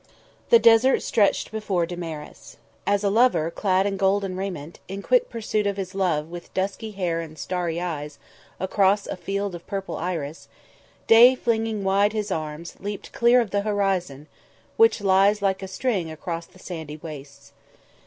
The desert stretched before Damaris. As a lover, clad in golden raiment, in quick pursuit of his love with dusky hair and starry eyes across a field of purple iris, Day flinging wide his arms leaped clear of the horizon which lies like a string across the sandy wastes.